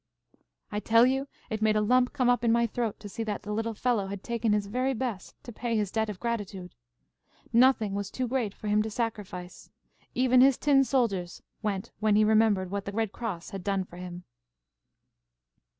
"I tell you it made a lump come up in my throat to see that the little fellow had taken his very best to pay his debt of gratitude. Nothing was too great for him to sacrifice. Even his tin soldiers went when he remembered what the Red Cross had done for him."